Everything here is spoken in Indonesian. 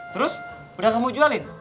terus udah kamu jualin